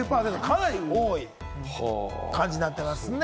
かなり多い感じになってます。